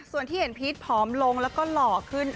ส่วนที่เห็นพีชผอมลงแล้วก็หล่อขึ้น